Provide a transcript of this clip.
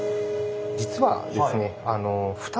実はですね